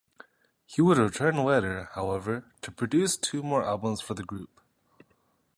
He would return later, however, to produce two more albums for the group.